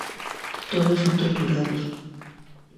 Todos son torturados, violados o asesinados cuando protestan.